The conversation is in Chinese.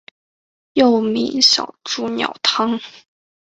又名小朱鸟汤。